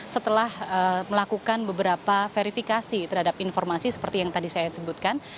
setelah melakukan beberapa verifikasi terhadap informasi seperti yang tadi saya sebutkan